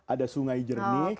ada sungai jernih